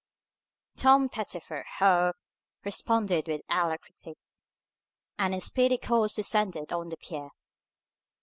Tom Pettifer, Ho, responded with alacrity, and in speedy course descended on the pier.